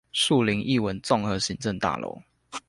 樹林藝文綜合行政大樓